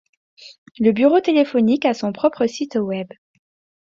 Le bureau téléphonique a son propre site web.